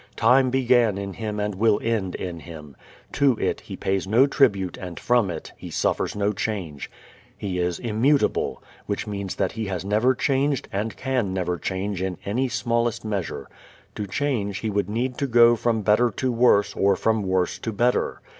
Time began in Him and will end in Him. To it He pays no tribute and from it He suffers no change. He is immutable, which means that He has never changed and can never change in any smallest measure. To change He would need to go from better to worse or from worse to better.